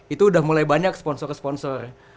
itu udah mulai banyak sponsor sponsor